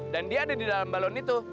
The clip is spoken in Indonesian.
dan dia ada di dalam balon itu